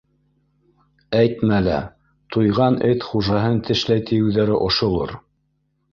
— Әйтмә лә, туйған эт хужаһын тешләй тиеүҙәре ошолор.